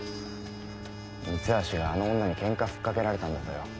三橋があの女にケンカふっかけられたんだとよ。